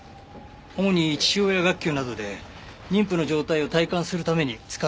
主に父親学級などで妊婦の状態を体感するために使われているものです。